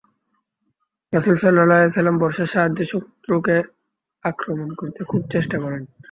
রাসূল সাল্লাল্লাহু আলাইহি ওয়াসাল্লাম বর্শার সাহায্যে শত্রুকে আক্রমণ করতে খুব চেষ্টা করেন।